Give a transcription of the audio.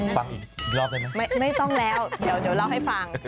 ฟังอีกรอบได้ไหมไม่ต้องแล้วเดี๋ยวเล่าให้ฟัง